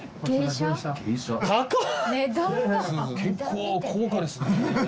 結構高価ですね。